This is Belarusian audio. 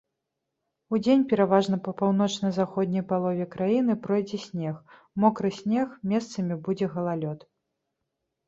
Удзень пераважна па паўночна-заходняй палове краіны пройдзе снег, мокры снег, месцамі будзе галалёд.